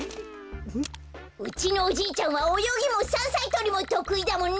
うちのおじいちゃんはおよぎもさんさいとりもとくいだもんね。